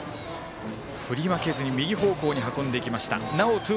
振り負けずに右方向に運んでいきました。